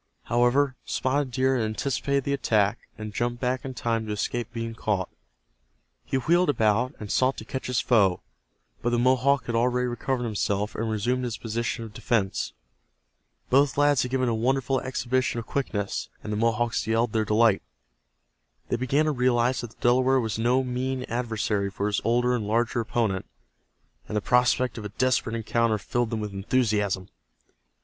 However, Spotted Deer had anticipated the attack, and jumped back in time to escape being caught. He wheeled about, and sought to catch his foe, but the Mohawk had already recovered himself and resumed his position of defense. Both lads had given a wonderful exhibition of quickness, and the Mohawks yelled their delight. They began to realize that the Delaware was no mean adversary for his older and larger opponent, and the prospect of a desperate encounter filled them with enthusiasm.